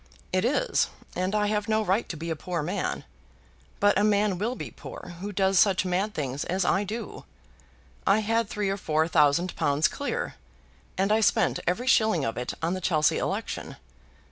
"It is, and I have no right to be a poor man. But a man will be poor who does such mad things as I do. I had three or four thousand pounds clear, and I spent every shilling of it on the Chelsea election.